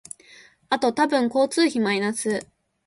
あと多分交通費マイナス